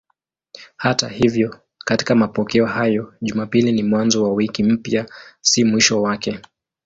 Hata hivyo katika mapokeo hayo Jumapili ni mwanzo wa wiki mpya, si mwisho wake.